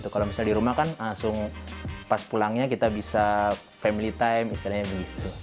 kalau di rumah pas pulangnya kita bisa family time